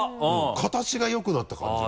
形がよくなった感じが。